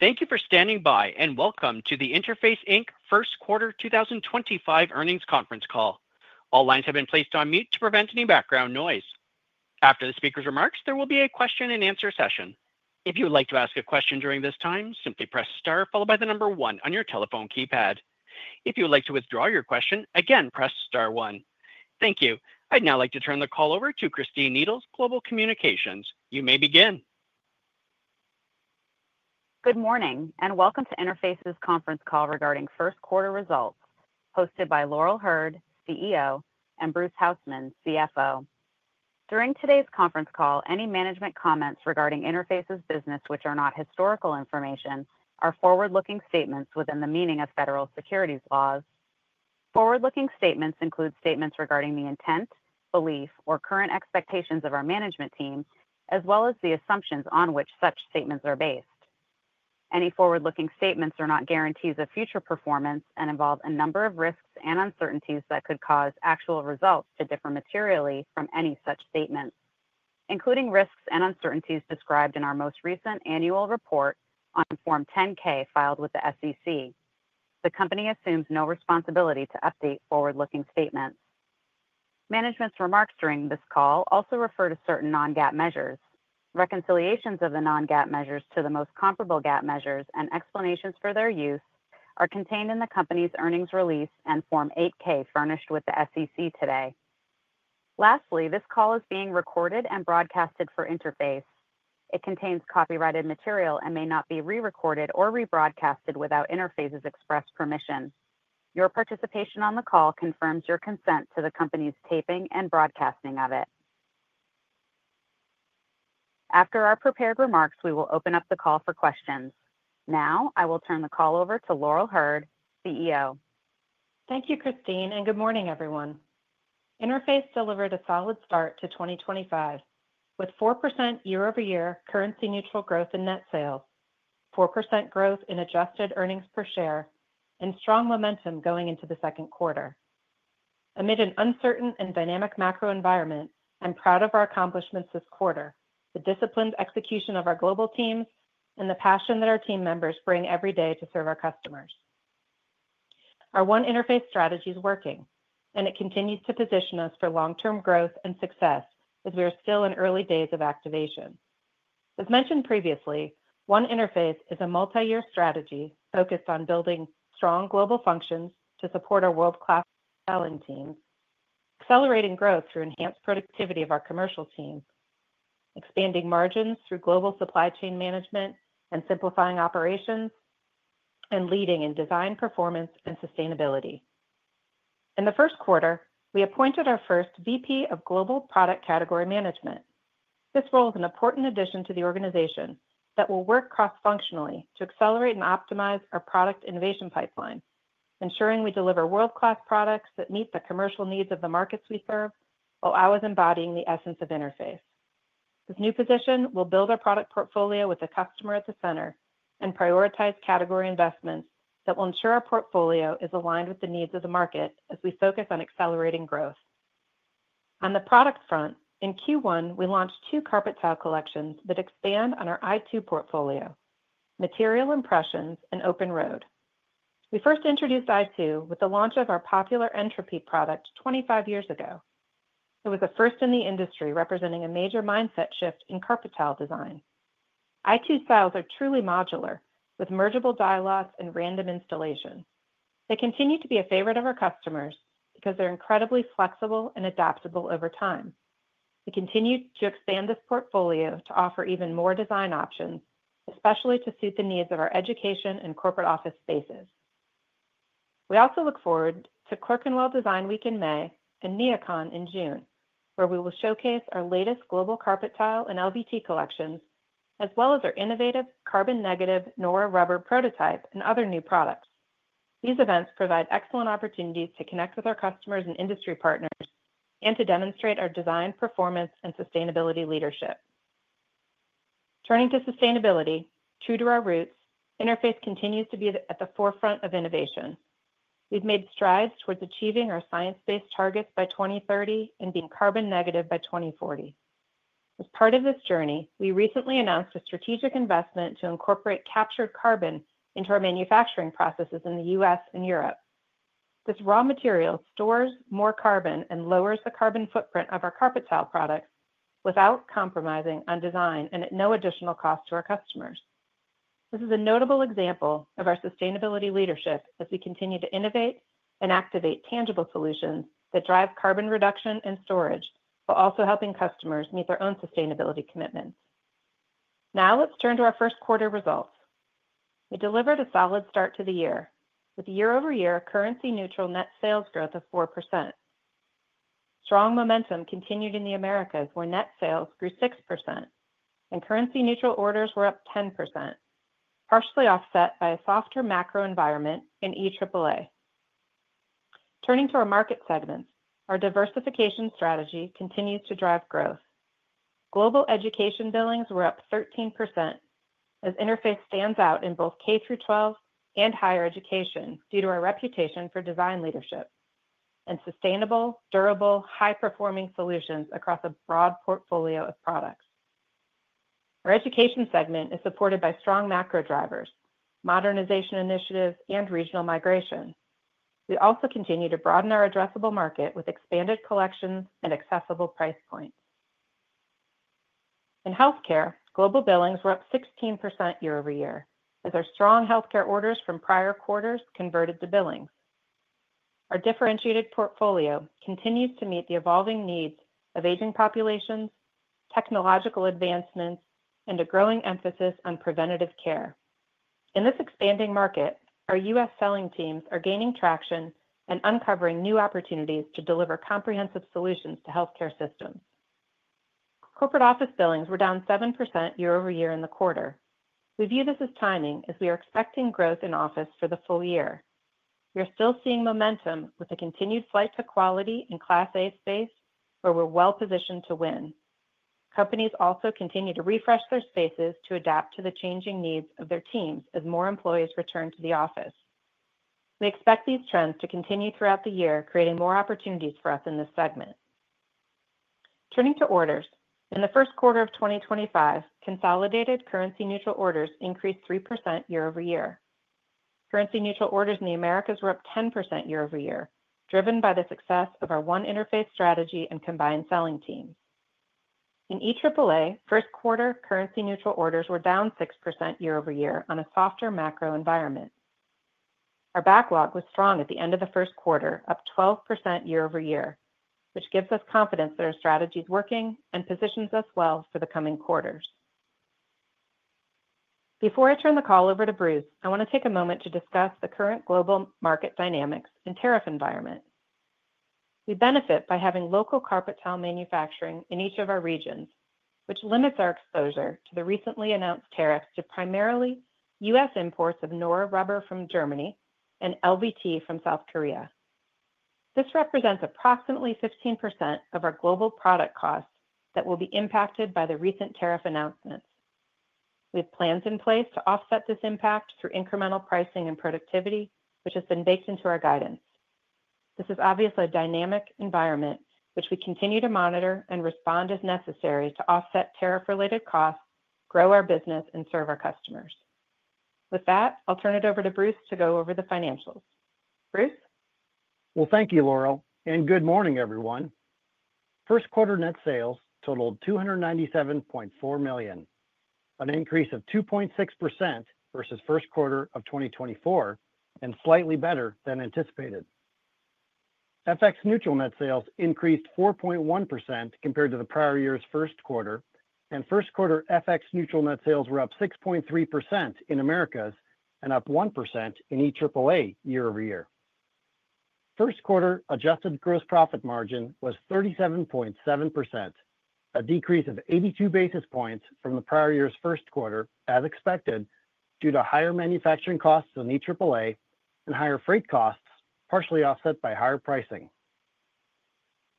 Thank you for standing by, and welcome to the Interface, Inc first quarter 2025 earnings conference call. All lines have been placed on mute to prevent any background noise. After the speaker's remarks, there will be a question and answer session. If you would like to ask a question during this time, simply press star followed by the number one on your telephone keypad. If you would like to withdraw your question, again, press star one. Thank you. I'd now like to turn the call over to Christine Needles, Global Communications. You may begin. Good morning, and welcome to Interface's conference call regarding first quarter results, hosted by Laurel Hurd, CEO, and Bruce Hausmann, CFO. During today's conference call, any management comments regarding Interface's business, which are not historical information, are forward-looking statements within the meaning of federal securities laws. Forward-looking statements include statements regarding the intent, belief, or current expectations of our management team, as well as the assumptions on which such statements are based. Any forward-looking statements are not guarantees of future performance and involve a number of risks and uncertainties that could cause actual results to differ materially from any such statements, including risks and uncertainties described in our most recent annual report on Form 10-K filed with the SEC. The company assumes no responsibility to update forward-looking statements. Management's remarks during this call also refer to certain non-GAAP measures. Reconciliations of the non-GAAP measures to the most comparable GAAP measures and explanations for their use are contained in the company's earnings release and Form 8-K furnished with the SEC today. Lastly, this call is being recorded and broadcast for Interface. It contains copyrighted material and may not be re-recorded or rebroadcast without Interface's express permission. Your participation on the call confirms your consent to the company's taping and broadcasting of it. After our prepared remarks, we will open up the call for questions. Now, I will turn the call over to Laurel Hurd, CEO. Thank you, Christine, and good morning, everyone. Interface delivered a solid start to 2025 with 4% year-over-year currency-neutral growth in net sales, 4% growth in adjusted earnings per share, and strong momentum going into the second quarter. Amid an uncertain and dynamic macro environment, I'm proud of our accomplishments this quarter, the disciplined execution of our global teams, and the passion that our team members bring every day to serve our customers. Our One Interface strategy is working, and it continues to position us for long-term growth and success as we are still in early days of activation. As mentioned previously, One Interface is a multi-year strategy focused on building strong global functions to support our world-class selling teams, accelerating growth through enhanced productivity of our commercial team, expanding margins through global supply chain management, and simplifying operations, and leading in design performance and sustainability. In the first quarter, we appointed our first VP of Global Product Category Management. This role is an important addition to the organization that will work cross-functionally to accelerate and optimize our product innovation pipeline, ensuring we deliver world-class products that meet the commercial needs of the markets we serve while always embodying the essence of Interface. This new position will build our product portfolio with the customer at the center and prioritize category investments that will ensure our portfolio is aligned with the needs of the market as we focus on accelerating growth. On the product front, in Q1, we launched two carpet tile collections that expand on our i2 portfolio: Material Impressions and Open Road. We first introduced i2 with the launch of our popular Entropy product 25 years ago. It was the first in the industry representing a major mindset shift in carpet tile design. i2 styles are truly modular, with mergeable dial locks and random installation. They continue to be a favorite of our customers because they're incredibly flexible and adaptable over time. We continue to expand this portfolio to offer even more design options, especially to suit the needs of our education and corporate office spaces. We also look forward to Clerkenwell Design Week in May and NeoCon in June, where we will showcase our latest global carpet tile and LVT collections, as well as our innovative carbon-negative nora rubber prototype and other new products. These events provide excellent opportunities to connect with our customers and industry partners and to demonstrate our design, performance, and sustainability leadership. Turning to sustainability, true to our roots, Interface continues to be at the forefront of innovation. We've made strides towards achieving our science-based targets by 2030 and being carbon-negative by 2040. As part of this journey, we recently announced a strategic investment to incorporate captured carbon into our manufacturing processes in the U.S. and Europe. This raw material stores more carbon and lowers the carbon footprint of our carpet tile products without compromising on design and at no additional cost to our customers. This is a notable example of our sustainability leadership as we continue to innovate and activate tangible solutions that drive carbon reduction and storage while also helping customers meet their own sustainability commitments. Now, let's turn to our first quarter results. We delivered a solid start to the year with year-over-year currency-neutral net sales growth of 4%. Strong momentum continued in the Americas where net sales grew 6%, and currency-neutral orders were up 10%, partially offset by a softer macro environment in EAAA. Turning to our market segments, our diversification strategy continues to drive growth. Global education billings were up 13%, as Interface stands out in both K-12 and higher education due to our reputation for design leadership and sustainable, durable, high-performing solutions across a broad portfolio of products. Our education segment is supported by strong macro drivers, modernization initiatives, and regional migration. We also continue to broaden our addressable market with expanded collections and accessible price points. In healthcare, global billings were up 16% year-over-year as our strong healthcare orders from prior quarters converted to billings. Our differentiated portfolio continues to meet the evolving needs of aging populations, technological advancements, and a growing emphasis on preventative care. In this expanding market, our U.S. selling teams are gaining traction and uncovering new opportunities to deliver comprehensive solutions to healthcare systems. Corporate office billings were down 7% year-over-year in the quarter. We view this as timing as we are expecting growth in office for the full year. We are still seeing momentum with the continued flight to quality and Class A space, where we're well-positioned to win. Companies also continue to refresh their spaces to adapt to the changing needs of their teams as more employees return to the office. We expect these trends to continue throughout the year, creating more opportunities for us in this segment. Turning to orders, in the first quarter of 2025, consolidated currency-neutral orders increased 3% year-over-year. Currency-neutral orders in the Americas were up 10% year-over-year, driven by the success of our One Interface strategy and combined selling teams. In EAAA, first quarter currency-neutral orders were down 6% year-over-year on a softer macro environment. Our backlog was strong at the end of the first quarter, up 12% year-over-year, which gives us confidence that our strategy is working and positions us well for the coming quarters. Before I turn the call over to Bruce, I want to take a moment to discuss the current global market dynamics and tariff environment. We benefit by having local carpet tile manufacturing in each of our regions, which limits our exposure to the recently announced tariffs to primarily U.S. imports of nora rubber from Germany and LVT from South Korea. This represents approximately 15% of our global product costs that will be impacted by the recent tariff announcements. We have plans in place to offset this impact through incremental pricing and productivity, which has been baked into our guidance. This is obviously a dynamic environment, which we continue to monitor and respond as necessary to offset tariff-related costs, grow our business, and serve our customers. With that, I'll turn it over to Bruce to go over the financials. Bruce? Thank you, Laurel, and good morning, everyone. First quarter net sales totaled $297.4 million, an increase of 2.6% versus first quarter of 2024, and slightly better than anticipated. FX-neutral net sales increased 4.1% compared to the prior year's first quarter, and first quarter FX-neutral net sales were up 6.3% in Americas and up 1% in EAAA year-over-year. First quarter adjusted gross profit margin was 37.7%, a decrease of 82 basis points from the prior year's first quarter, as expected, due to higher manufacturing costs in EAAA and higher freight costs, partially offset by higher pricing.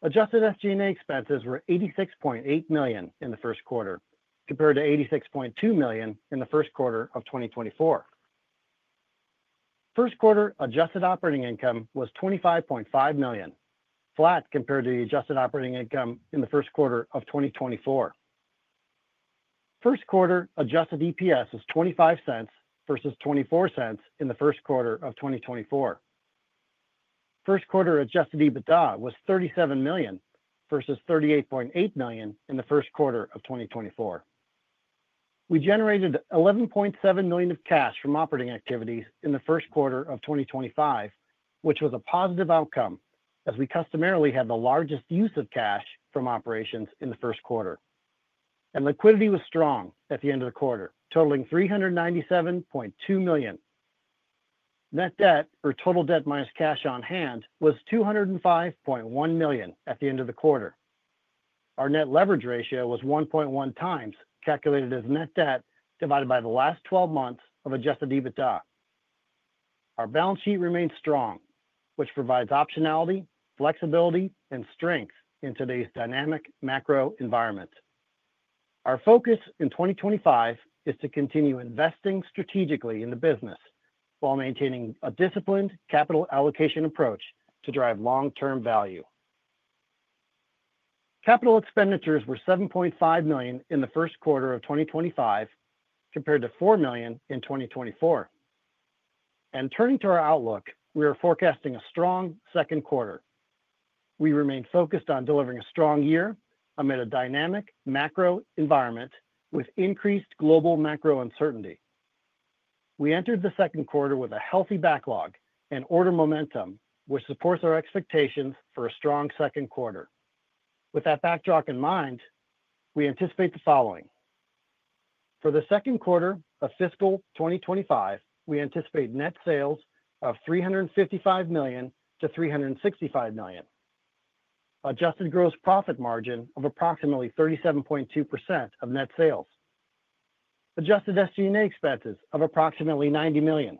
Adjusted SG&A expenses were $86.8 million in the first quarter, compared to $86.2 million in the first quarter of 2024. First quarter adjusted operating income was $25.5 million, flat compared to the adjusted operating income in the first quarter of 2024. First quarter adjusted EPS was $0.25 versus $0.24 in the first quarter of 2024. First quarter adjusted EBITDA was $37 million versus $38.8 million in the first quarter of 2024. We generated $11.7 million of cash from operating activities in the first quarter of 2025, which was a positive outcome as we customarily had the largest use of cash from operations in the first quarter. Liquidity was strong at the end of the quarter, totaling $397.2 million. Net debt, or total debt minus cash on hand, was $205.1 million at the end of the quarter. Our net leverage ratio was 1.1 times, calculated as net debt divided by the last 12 months of adjusted EBITDA. Our balance sheet remained strong, which provides optionality, flexibility, and strength in today's dynamic macro environment. Our focus in 2025 is to continue investing strategically in the business while maintaining a disciplined capital allocation approach to drive long-term value. Capital expenditures were $7.5 million in the first quarter of 2025, compared to $4 million in 2024. Turning to our outlook, we are forecasting a strong second quarter. We remain focused on delivering a strong year amid a dynamic macro environment with increased global macro uncertainty. We entered the second quarter with a healthy backlog and order momentum, which supports our expectations for a strong second quarter. With that backdrop in mind, we anticipate the following. For the second quarter of fiscal 2025, we anticipate net sales of $355 million-$365 million, adjusted gross profit margin of approximately 37.2% of net sales, adjusted SG&A expenses of approximately $90 million,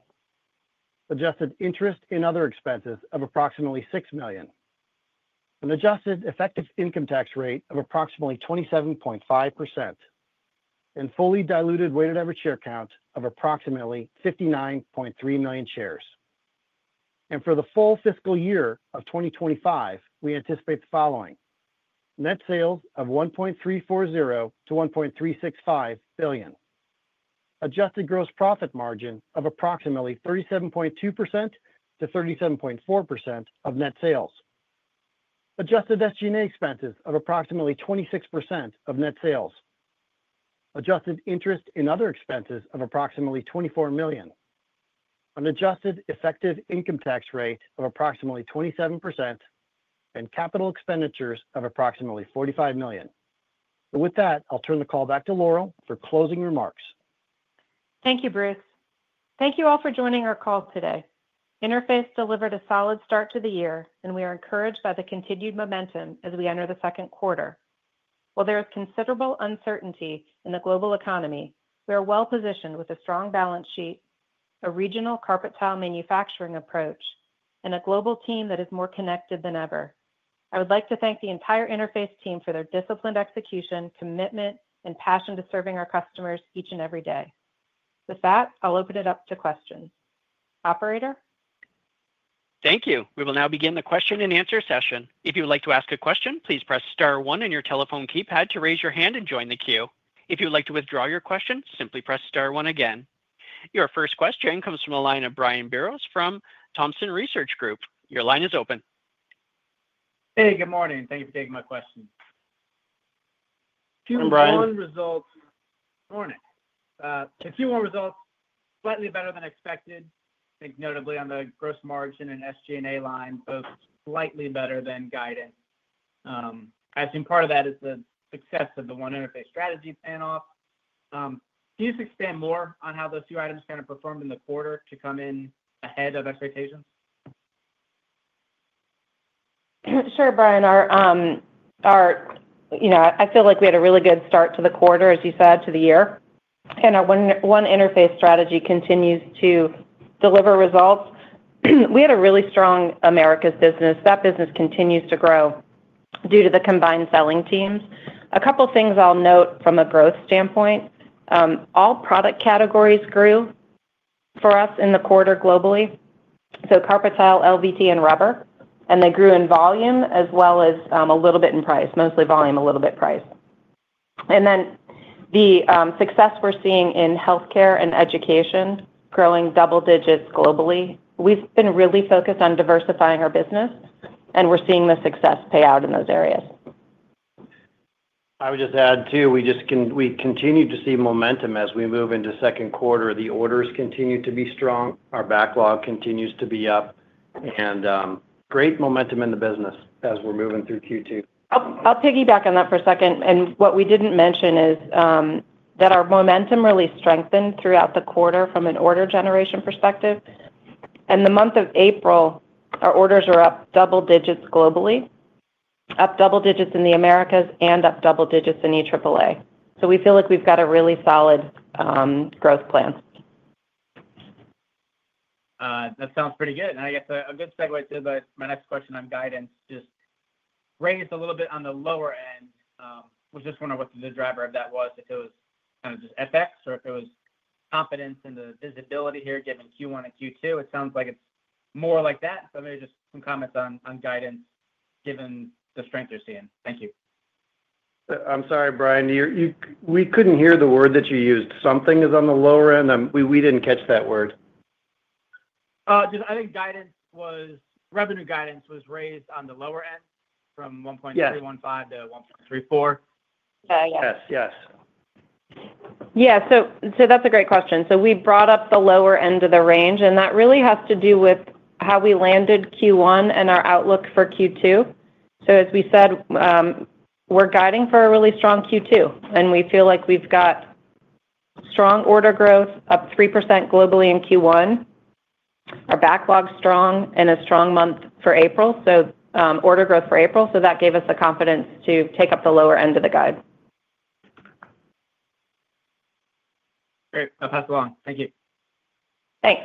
adjusted interest and other expenses of approximately $6 million, an adjusted effective income tax rate of approximately 27.5%, and fully diluted weighted average share count of approximately 59.3 million shares. For the full fiscal year of 2025, we anticipate the following: net sales of $1.340 billion-$1.365 billion, adjusted gross profit margin of approximately 37.2%-37.4% of net sales, adjusted SG&A expenses of approximately 26% of net sales, adjusted interest and other expenses of approximately $24 million, an adjusted effective income tax rate of approximately 27%, and capital expenditures of approximately $45 million. With that, I'll turn the call back to Laurel for closing remarks. Thank you, Bruce. Thank you all for joining our call today. Interface delivered a solid start to the year, and we are encouraged by the continued momentum as we enter the second quarter. While there is considerable uncertainty in the global economy, we are well-positioned with a strong balance sheet, a regional carpet tile manufacturing approach, and a global team that is more connected than ever. I would like to thank the entire Interface team for their disciplined execution, commitment, and passion to serving our customers each and every day. With that, I'll open it up to questions. Operator? Thank you. We will now begin the question and answer session. If you would like to ask a question, please press star one on your telephone keypad to raise your hand and join the queue. If you would like to withdraw your question, simply press star one again. Your first question comes from the line of Brian Biros from Thompson Research Group. Your line is open. Hey, good morning. Thank you for taking my question. Hey, Brian. Q1 results. Morning. The Q1 results are slightly better than expected, I think notably on the gross margin and SG&A line, both slightly better than guidance. I assume part of that is the success of the One Interface strategy panel. Can you expand more on how those two items kind of performed in the quarter to come in ahead of expectations? Sure, Brian. I feel like we had a really good start to the quarter, as you said, to the year. Our One Interface strategy continues to deliver results. We had a really strong Americas business. That business continues to grow due to the combined selling teams. A couple of things I'll note from a growth standpoint. All product categories grew for us in the quarter globally, so carpet tile, LVT, and rubber. They grew in volume as well as a little bit in price, mostly volume, a little bit price. The success we're seeing in healthcare and education is growing double digits globally. We've been really focused on diversifying our business, and we're seeing the success pay out in those areas. I would just add, too, we continue to see momentum as we move into second quarter. The orders continue to be strong. Our backlog continues to be up. Great momentum in the business as we're moving through Q2. I'll piggyback on that for a second. What we didn't mention is that our momentum really strengthened throughout the quarter from an order generation perspective. In the month of April, our orders were up double digits globally, up double digits in the Americas, and up double digits in EAAA. We feel like we've got a really solid growth plan. That sounds pretty good. I guess a good segue to my next question on guidance, just raised a little bit on the lower end. We're just wondering what the driver of that was, if it was kind of just FX or if it was confidence in the visibility here given Q1 and Q2. It sounds like it's more like that. Maybe just some comments on guidance given the strength you're seeing. Thank you. I'm sorry, Brian. We couldn't hear the word that you used. Something is on the lower end. We didn't catch that word. I think revenue guidance was raised on the lower end from $1.315 billion to $1.34 billion. Yes. Yes. Yes. Yeah. That's a great question. We brought up the lower end of the range, and that really has to do with how we landed Q1 and our outlook for Q2. As we said, we're guiding for a really strong Q2, and we feel like we've got strong order growth, up 3% globally in Q1. Our backlog is strong and a strong month for April, so order growth for April. That gave us the confidence to take up the lower end of the guide. Great. I'll pass it along. Thank you. Thanks.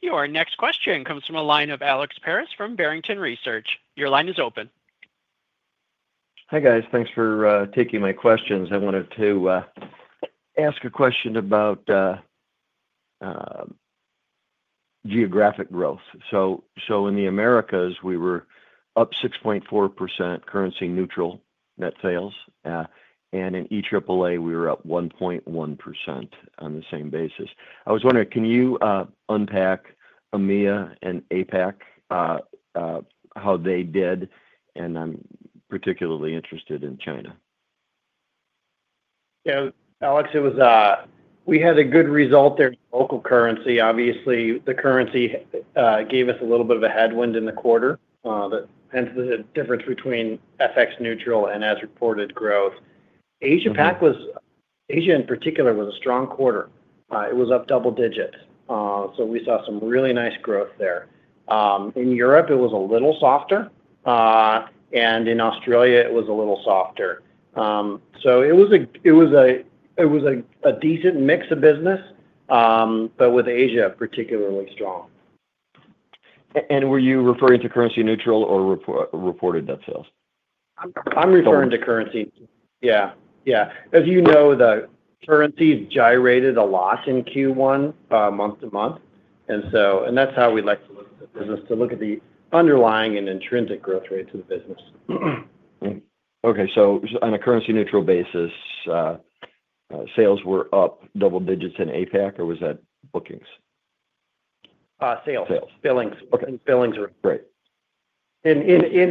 Your next question comes from a line of Alex Paris from Barrington Research. Your line is open. Hi guys. Thanks for taking my questions. I wanted to ask a question about geographic growth. In the Americas, we were up 6.4% currency-neutral net sales. In EAAA, we were up 1.1% on the same basis. I was wondering, can you unpack EMEA and APAC, how they did? I am particularly interested in China. Yeah. Alex, we had a good result there in local currency. Obviously, the currency gave us a little bit of a headwind in the quarter, hence the difference between FX-neutral and as reported growth. Asia-Pac, Asia in particular, was a strong quarter. It was up double digits. We saw some really nice growth there. In Europe, it was a little softer. In Australia, it was a little softer. It was a decent mix of business, with Asia particularly strong. Were you referring to currency-neutral or reported net sales? I'm referring to currency. Yeah. Yeah. As you know, the currency gyrated a lot in Q1 month to month. And that's how we like to look at the business, to look at the underlying and intrinsic growth rates of the business. Okay. On a currency-neutral basis, sales were up double digits in APAC, or was that bookings? Sales. Sales. Billings. Billings were. In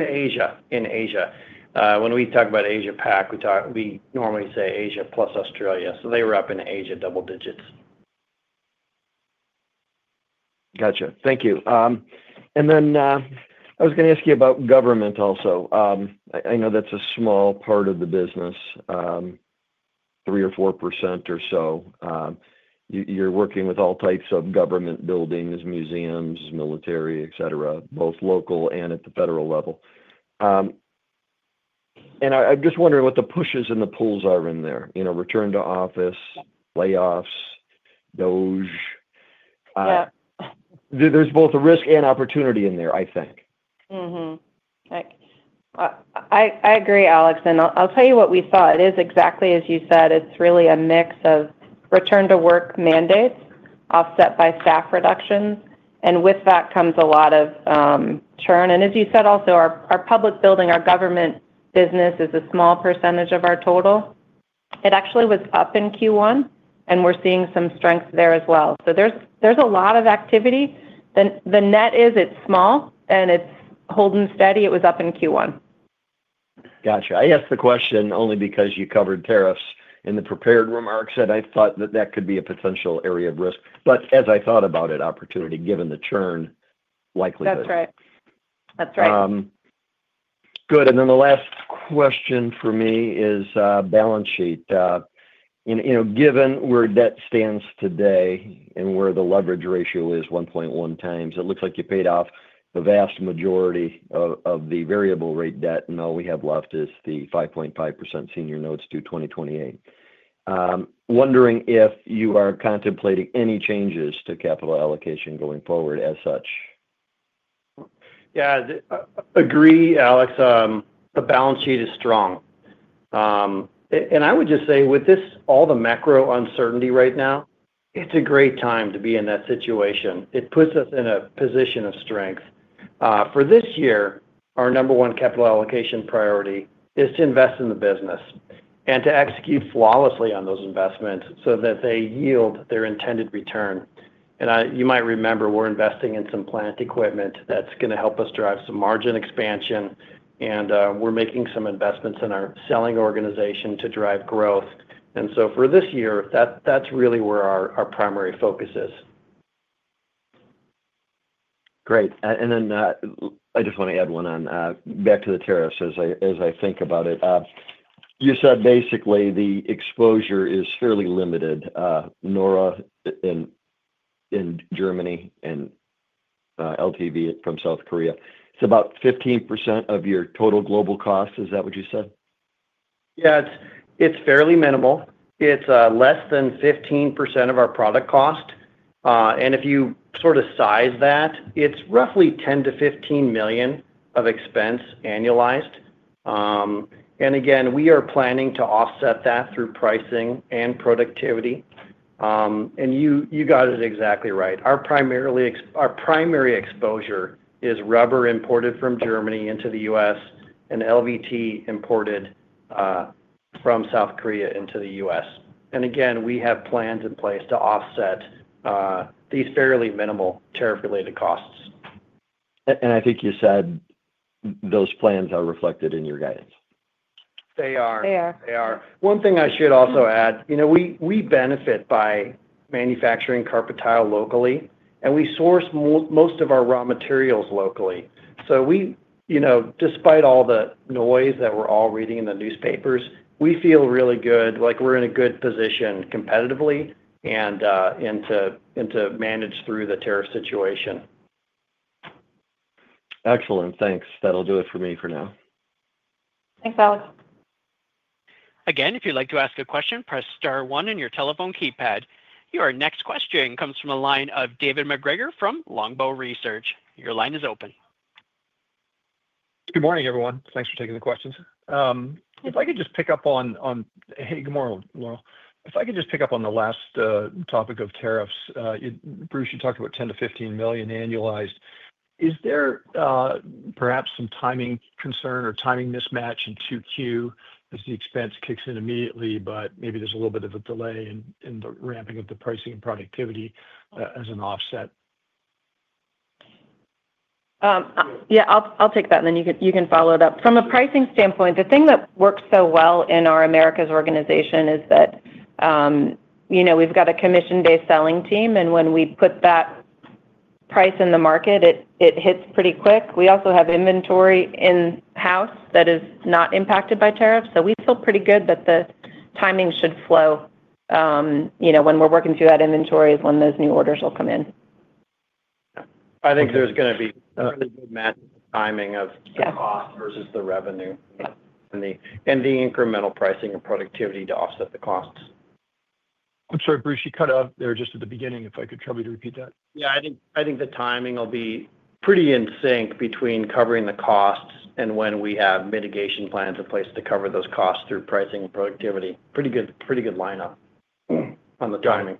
Asia. In Asia. When we talk about Asia-Pac, we normally say Asia plus Australia. They were up in Asia double digits. Gotcha. Thank you. I was going to ask you about government also. I know that's a small part of the business, 3% or 4% or so. You're working with all types of government buildings, museums, military, etc., both local and at the federal level. I'm just wondering what the pushes and the pulls are in there, return to office, layoffs, DOGE. There's both a risk and opportunity in there, I think. I agree, Alex. I'll tell you what we saw. It is exactly as you said. It's really a mix of return to work mandates offset by staff reductions. With that comes a lot of churn. As you said also, our public building, our government business is a small percentage of our total. It actually was up in Q1, and we're seeing some strength there as well. There's a lot of activity. The net is, it's small, and it's holding steady. It was up in Q1. Gotcha. I asked the question only because you covered tariffs in the prepared remarks, and I thought that that could be a potential area of risk. As I thought about it, opportunity, given the churn likelihood. That's right. That's right. Good. The last question for me is balance sheet. Given where debt stands today and where the leverage ratio is 1.1 times, it looks like you paid off the vast majority of the variable rate debt. All we have left is the 5.5% senior notes due 2028. Wondering if you are contemplating any changes to capital allocation going forward as such. Yeah. Agree, Alex. The balance sheet is strong. I would just say, with all the macro uncertainty right now, it's a great time to be in that situation. It puts us in a position of strength. For this year, our number one capital allocation priority is to invest in the business and to execute flawlessly on those investments so that they yield their intended return. You might remember we're investing in some plant equipment that's going to help us drive some margin expansion. We're making some investments in our selling organization to drive growth. For this year, that's really where our primary focus is. Great. I just want to add one on back to the tariffs as I think about it. You said basically the exposure is fairly limited, nora in Germany and LVT from South Korea. It's about 15% of your total global cost. Is that what you said? Yeah. It's fairly minimal. It's less than 15% of our product cost. If you sort of size that, it's roughly $10 million-$15 million of expense annualized. We are planning to offset that through pricing and productivity. You got it exactly right. Our primary exposure is rubber imported from Germany into the U.S. and LVT imported from South Korea into the U.S. We have plans in place to offset these fairly minimal tariff-related costs. I think you said those plans are reflected in your guidance. They are. They are. They are. One thing I should also add, we benefit by manufacturing carpet tile locally, and we source most of our raw materials locally. Despite all the noise that we're all reading in the newspapers, we feel really good, like we're in a good position competitively and to manage through the tariff situation. Excellent. Thanks. That'll do it for me for now. Thanks, Alex. Again, if you'd like to ask a question, press star one on your telephone keypad. Your next question comes from a line of David MacGregor from Longbow Research. Your line is open. Good morning, everyone. Thanks for taking the questions. If I could just pick up on—hey, good morning, Laurel. If I could just pick up on the last topic of tariffs, Bruce, you talked about $10 million-$15 million annualized. Is there perhaps some timing concern or timing mismatch in Q2 as the expense kicks in immediately, but maybe there's a little bit of a delay in the ramping of the pricing and productivity as an offset? Yeah. I'll take that, and then you can follow it up. From a pricing standpoint, the thing that works so well in our Americas organization is that we've got a commission-based selling team, and when we put that price in the market, it hits pretty quick. We also have inventory in-house that is not impacted by tariffs. So we feel pretty good that the timing should flow when we're working through that inventory is when those new orders will come in. I think there's going to be a good match of timing of the cost versus the revenue and the incremental pricing and productivity to offset the costs. I'm sorry, Bruce. You cut out there just at the beginning. If I could try to repeat that. Yeah. I think the timing will be pretty in sync between covering the costs and when we have mitigation plans in place to cover those costs through pricing and productivity. Pretty good lineup on the timing.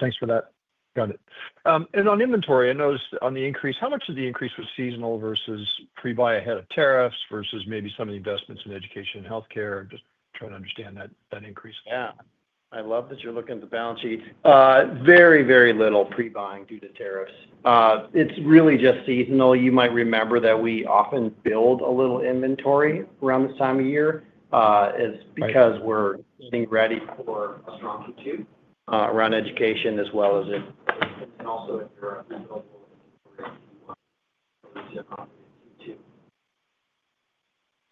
Thanks for that. Got it. On inventory, I noticed on the increase, how much of the increase was seasonal versus pre-buy ahead of tariffs versus maybe some of the investments in education and healthcare? Just trying to understand that increase. Yeah. I love that you're looking at the balance sheet. Very, very little pre-buying due to tariffs. It's really just seasonal. You might remember that we often build a little inventory around this time of year because we're getting ready for a strong Q2 around education as well as.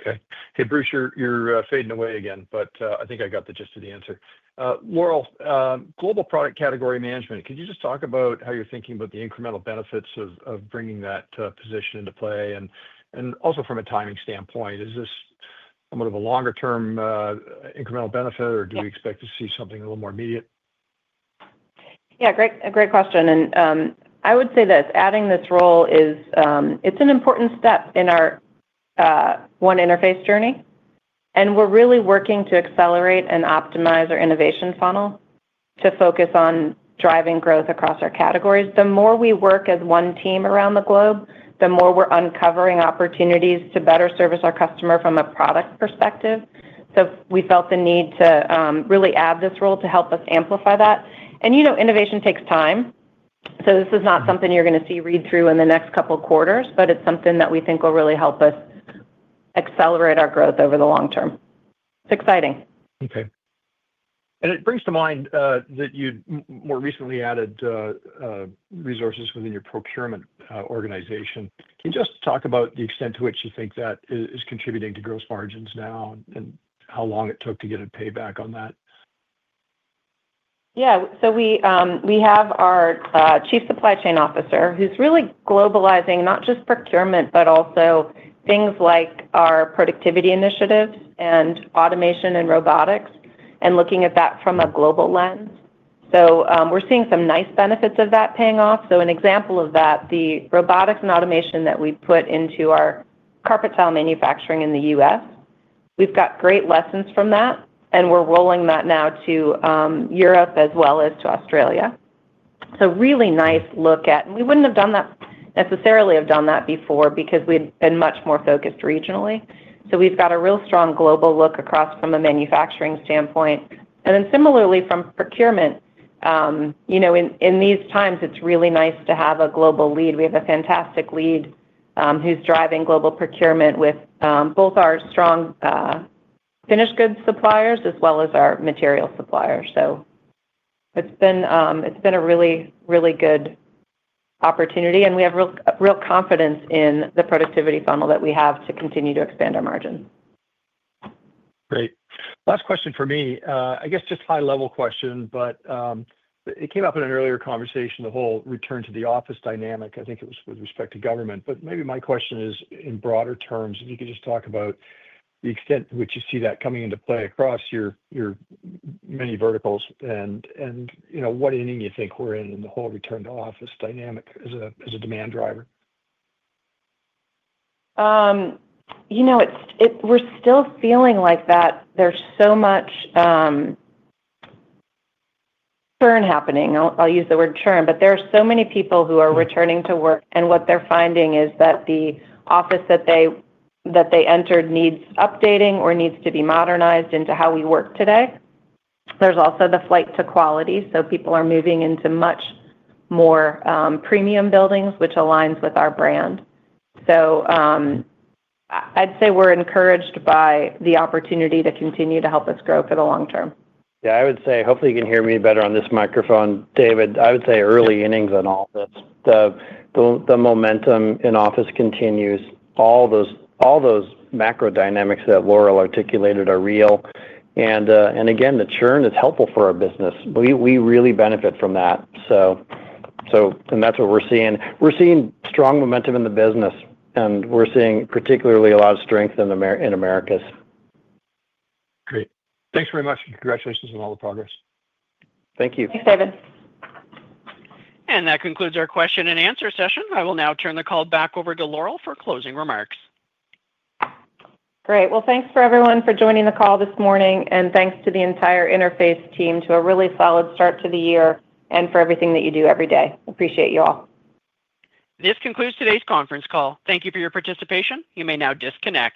Okay. Hey, Bruce, you're fading away again, but I think I got the gist of the answer. Laurel, global product category management, could you just talk about how you're thinking about the incremental benefits of bringing that position into play? Also, from a timing standpoint, is this somewhat of a longer-term incremental benefit, or do we expect to see something a little more immediate? Yeah. Great question. I would say that adding this role is an important step in our One Interface journey. We're really working to accelerate and optimize our innovation funnel to focus on driving growth across our categories. The more we work as one team around the globe, the more we're uncovering opportunities to better service our customer from a product perspective. We felt the need to really add this role to help us amplify that. Innovation takes time. This is not something you're going to see read through in the next couple of quarters, but it's something that we think will really help us accelerate our growth over the long term. It's exciting. Okay. It brings to mind that you more recently added resources within your procurement organization. Can you just talk about the extent to which you think that is contributing to gross margins now and how long it took to get a payback on that? Yeah. We have our Chief Supply Chain Officer who's really globalizing not just procurement, but also things like our productivity initiatives and automation and robotics and looking at that from a global lens. We're seeing some nice benefits of that paying off. An example of that, the robotics and automation that we put into our carpet tile manufacturing in the U.S., we've got great lessons from that, and we're rolling that now to Europe as well as to Australia. Really nice look at—we wouldn't have necessarily done that before because we'd been much more focused regionally. We've got a real strong global look across from a manufacturing standpoint. Similarly from procurement, in these times, it's really nice to have a global lead. We have a fantastic lead who's driving global procurement with both our strong finished goods suppliers as well as our material suppliers. It has been a really, really good opportunity. We have real confidence in the productivity funnel that we have to continue to expand our margins. Great. Last question for me. I guess just high-level question, but it came up in an earlier conversation, the whole return to the office dynamic. I think it was with respect to government. Maybe my question is in broader terms, if you could just talk about the extent to which you see that coming into play across your many verticals and what ending you think we're in in the whole return to office dynamic as a demand driver. We're still feeling like that there's so much churn happening. I'll use the word churn, but there are so many people who are returning to work. And what they're finding is that the office that they entered needs updating or needs to be modernized into how we work today. There's also the flight to quality. So people are moving into much more premium buildings, which aligns with our brand. I'd say we're encouraged by the opportunity to continue to help us grow for the long term. Yeah. I would say hopefully you can hear me better on this microphone, David. I would say early innings on all this. The momentum in office continues. All those macro dynamics that Laurel articulated are real. Again, the churn is helpful for our business. We really benefit from that. That is what we are seeing. We are seeing strong momentum in the business, and we are seeing particularly a lot of strength in Americas. Great. Thanks very much. Congratulations on all the progress. Thank you. Thanks, David. That concludes our question and answer session. I will now turn the call back over to Laurel for closing remarks. Great. Thanks for everyone for joining the call this morning. Thanks to the entire Interface team to a really solid start to the year and for everything that you do every day. Appreciate you all. This concludes today's conference call. Thank you for your participation. You may now disconnect.